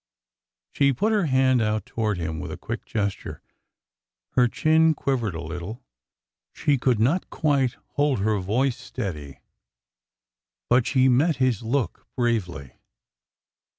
She put her hand out toward him with a quick gesture. Her chin quivered a little— she could not quite hold her voice steady, but she met his look bravely.